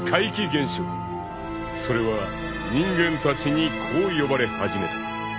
［それは人間たちにこう呼ばれ始めた］